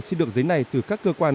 xin được giấy này từ các cơ quan